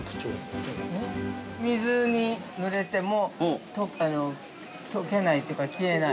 ◆水にぬれても溶けないというか消えない。